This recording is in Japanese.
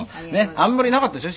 「あんまりなかったでしょ？